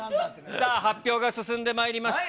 さあ、発表が進んでまいりました。